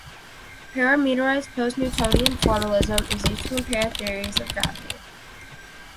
Parameterized post-Newtonian formalism is used to compare theories of gravity.